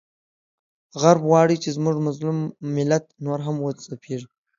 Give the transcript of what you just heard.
غرب غواړي چې زموږ مظلوم ملت نور هم وځپیږي،